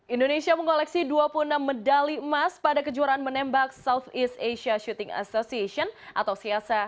indonesia mengoleksi dua puluh enam medali emas pada kejuaraan menembak southeast asia shooting association atau csr